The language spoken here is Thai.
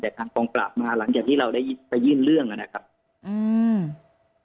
แต่ทางกองปราบมาหลังจากที่เราได้ไปยื่นเรื่องอ่ะนะครับอืม